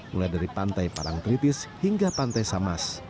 mulai dari pantai parang kritis hingga pantai samas